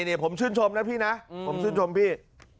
นี่ผมชื่นชมนะพี่นะผมชื่นชมพี่